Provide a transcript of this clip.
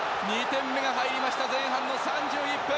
２点目が入りました前半３１分。